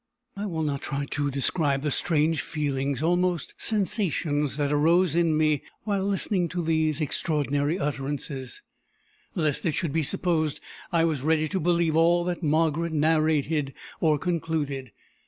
I will not try to describe the strange feelings, almost sensations, that arose in me while listening to these extraordinary utterances, lest it should be supposed I was ready to believe all that Margaret narrated or concluded.